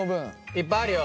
いっぱいあるよ。